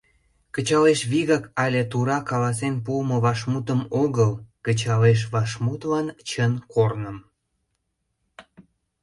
Кычалеш вигак але тура каласен пуымо вашмутым огыл, кычалеш вашмутлан чын корным.